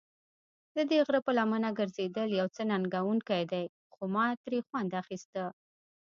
ددې غره پر لمنه ګرځېدل یو څه ننګوونکی دی، خو ما ترې خوند اخیسته.